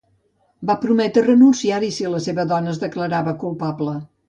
Va prometre renunciar-hi si la seva dona es declarava culpable.